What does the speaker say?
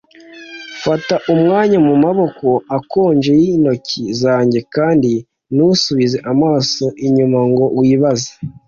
fata umwanya mumaboko akonje yintoki zanjye kandi ntusubize amaso inyuma ngo wibaze